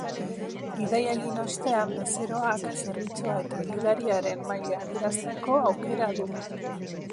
Bidaia egin ostean, bezeroak zerbitzua eta gidariaren maila adierazteko aukera du.